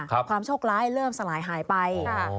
ความโชคร้ายเริ่มสลายหายไป